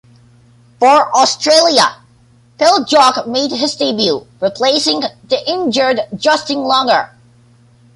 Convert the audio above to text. For Australia, Phil Jaques made his debut, replacing the injured Justin Langer.